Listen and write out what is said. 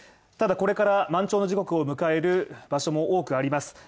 ただこれから、満潮の時刻を迎える場所も多くあります。